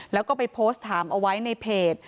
แล้วก็ไปโพสต์ถามเอาไว้ในเพจ